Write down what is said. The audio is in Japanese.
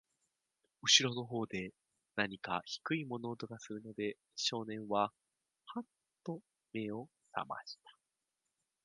後ろの方で、なにか低い物音がするので、少年は、はっと目を覚ましました。